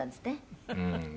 「うん。